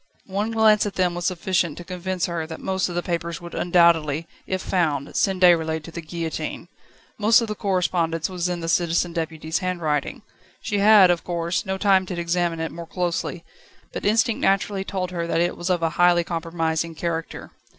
One glance at them was sufficient to convince her that most of the papers would undoubtedly, if found, send Déroulède to the guillotine. Most of the correspondence was in the Citizen Deputy's handwriting. She had, of course, no time to examine it more closely, but instinct naturally told her that it was of a highly compromising character.